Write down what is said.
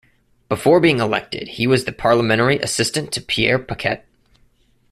Before being elected, he was the parliamentary assistant to Pierre Paquette.